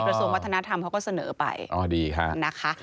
ส่วนวัฒนธรรมเขาก็เสนอไปอ๋อดีค่ะนะคะ